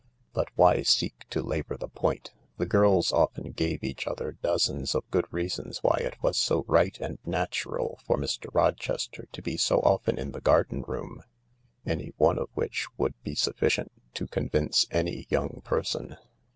But why seek to labour the point ? The girls often gave each other dozens of good reasons why it was so right and natural for Mr, Rochester to be so often in the garden room — any one of which would be sufficient to convince any young person.